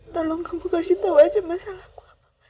tolong kamu kasih tau aja masalahku